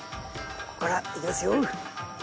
ここからいきますよ。